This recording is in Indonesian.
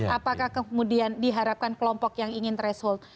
apakah kemudian diharapkan kelompok yang ingin threshold